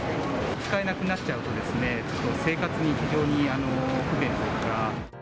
使えなくなっちゃうとですね、ちょっと生活に非常に不便というか。